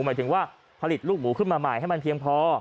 หมายถึงว่าผลิตลูกหมูขึ้นมาใหม่ให้มันเพียงพอ